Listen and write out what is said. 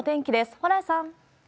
蓬莱さん。